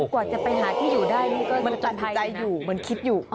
กว่าจะไปหาที่อยู่ได้นี่ก็จัดใจอยู่มันคิดอยู่